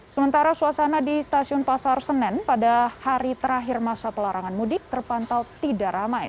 sementara suasana di stasiun pasar senen pada hari terakhir masa pelarangan mudik terpantau tidak ramai